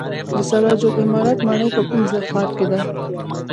سراج العمارت ماڼۍ په کوم ښار کې ده؟